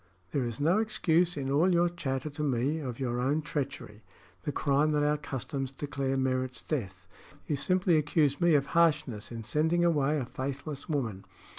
there is no excuse in all your chatter to me of your own treachery the crime that our customs declare merits death. You simply accuse me of harshness in sending away a faithless woman.